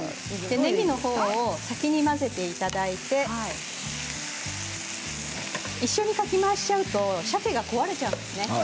ねぎのほうを先に混ぜていただいて一緒にかき回しちゃうとさけが壊れちゃうんですね。